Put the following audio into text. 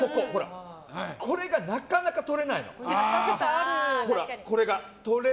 これがなかなか取れないの。